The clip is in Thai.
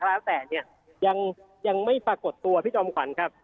และแต่ยังไม่ปรากฏตัวพี่จอมขวัญครับ